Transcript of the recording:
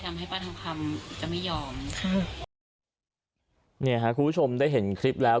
ทำให้ป้าทองคำจะไม่ยอมค่ะเนี่ยค่ะคุณผู้ชมได้เห็นคลิปแล้ว